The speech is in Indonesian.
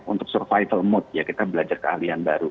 untuk survival mode ya kita belajar keahlian baru